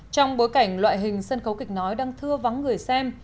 trong bối cảnh loại hình sân khấu kịch nói đang thưa vắng người xem